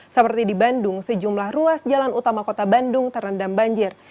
seperti di bandung sejumlah ruas jalan utama kota bandung terendam banjir